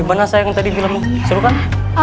gimana sayang tadi filmmu seru kan